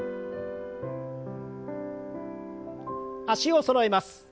脚をそろえます。